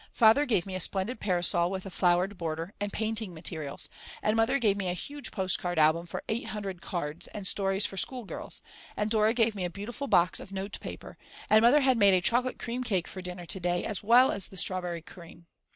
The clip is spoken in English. Father gave me a splendid parasol with a flowered border and painting materials and Mother gave me a huge postcard album for 800 cards and stories for school girls, and Dora gave me a beautiful box of notepaper and Mother had made a chocolate cream cake for dinner to day as well as the strawberry cream.